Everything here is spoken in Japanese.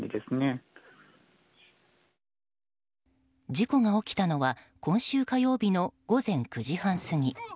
事故が起きたのは今週火曜日の午前９時半過ぎ。